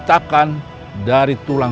dia ada sekaliin